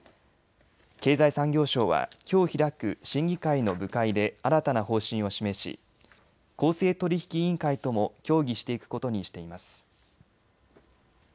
経済産業省は、きょう開く審議会の部会で新たな方針を示し公正取引委員会とも協議していくことにしています。